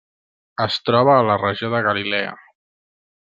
Es troba a la regió de Galilea.